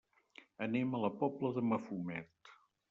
Anem a la Pobla de Mafumet.